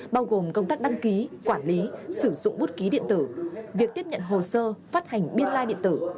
bao gồm công tác đăng ký quản lý sử dụng bút ký điện tử việc tiếp nhận hồ sơ phát hành biên lai điện tử